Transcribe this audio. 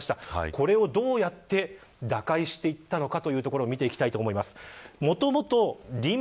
これをどうやって打開していけたのかというところを見ていきます。